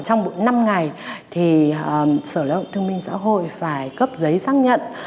trong năm ngày thì sở lao động thương minh xã hội phải cấp giấy xác nhận